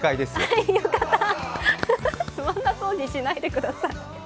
つまんなそうにしないでください。